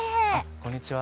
こんにちは。